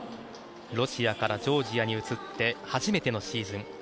ロシアからジョージアに移って初めてのシーズン